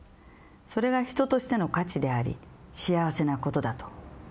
「それが人としての価値であり幸せなことだと」